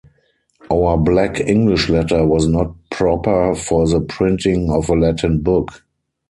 Our black English letter was not proper for the printing of a Latin book.